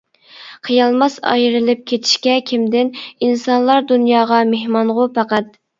قىيالماس ئايرىلىپ كېتىشكە كىمدىن، ئىنسانلار دۇنياغا مېھمانغۇ پەقەت!